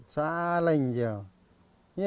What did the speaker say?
salah ini juga